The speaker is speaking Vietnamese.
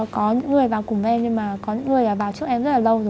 có những người vào cùng với em nhưng mà có những người là vào trước em rất là lâu rồi